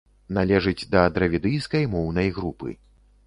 Належыць да дравідыйскай моўнай групы.